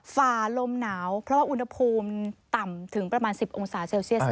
ฝ่าลมหนาวเพราะว่าอุณหภูมิต่ำถึงประมาณ๑๐องศาเซลเซียส